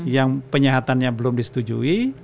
yang penyihatannya belum disetujui